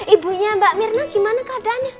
ibunya mbak mirna gimana keadaannya